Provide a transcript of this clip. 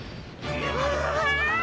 うわ！